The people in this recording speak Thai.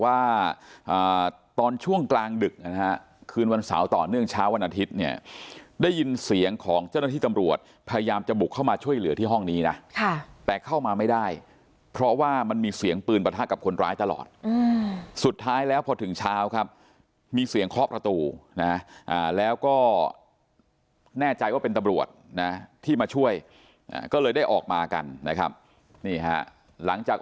ว่าอ่าตอนช่วงกลางดึกนะฮะคืนวันเสาร์ต่อเนื่องเช้าวันอาทิตย์เนี่ยได้ยินเสียงของเจ้าหน้าที่ตำรวจพยายามจะบุกเข้ามาช่วยเหลือที่ห้องนี้นะค่ะแต่เข้ามาไม่ได้เพราะว่ามันมีเสียงปืนประทะกับคนร้ายตลอดอืมสุดท้ายแล้วพอถึงเช้าครับมีเสียงเคาะประตูนะฮะอ่าแล้วก็แน่ใจว่าเป็นตำรวจนะฮ